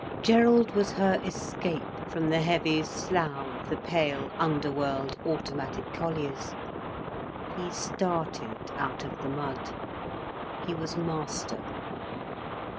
Gerald was her escape from the heavy slough of the pale, underworld, automatic colliers. He started out of the mud. He was master.